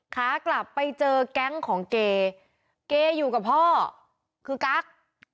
ขากลับไปเจอแก๊งของเกเกอยู่กับพ่อคือกั๊ก